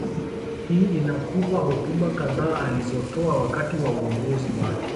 Hii inakupa hotuba kadhaa alizotoa wakati wa uongozi wake